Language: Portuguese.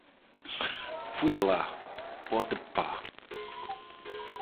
fui lá, pode pá